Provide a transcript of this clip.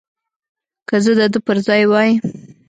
که زه د ده پر ځای وای.